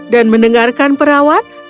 dan mendengarkan perawat